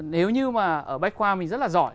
nếu như mà ở bách khoa mình rất là giỏi